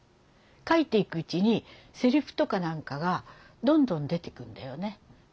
書いていくうちにせりふとかなんかがどんどん出てくるんだよね。